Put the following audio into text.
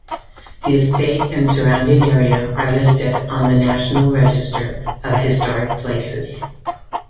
The estate and surrounding area are listed on the National Register of Historic Places.